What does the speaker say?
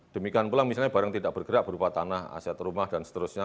demikian pula misalnya barang tidak bergerak berupa tanah aset rumah dan seterusnya